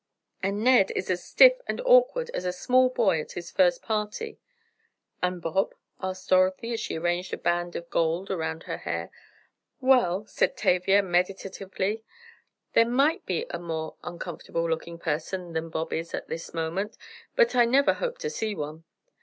And Ned is as stiff and awkward as a small boy at his first party!" "And Bob?" asked Dorothy, as she arranged a band of gold around her hair. "Well," said Tavia meditatively, "there might be a more uncomfortable looking person than Bob is at this moment, but I never hope to see one.